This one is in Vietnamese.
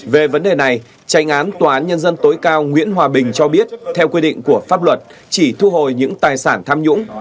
về vấn đề này tranh án tòa án nhân dân tối cao nguyễn hòa bình cho biết theo quy định của pháp luật chỉ thu hồi những tài sản tham nhũng